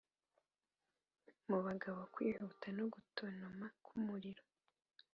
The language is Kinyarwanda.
mu bagabo kwihuta no gutontoma k'umuriro